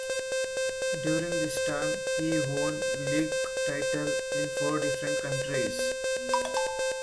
During this time he won league titles in four different countries.